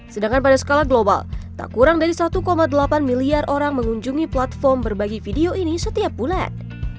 sedangkan pada skala global tak kurang dari satu delapan miliar orang mengunjungi platform berbagi video ini setiap bulan